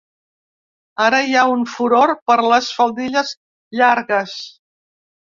Ara hi ha un furor per les faldilles llargues.